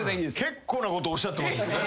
結構なことおっしゃってますよね。